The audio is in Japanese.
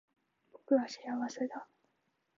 僕は幸せだ